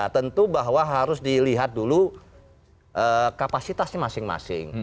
tentu bahwa harus dilihat dulu kapasitasnya masing masing